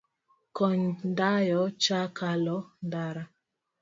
Kony dayo cha kalo ndara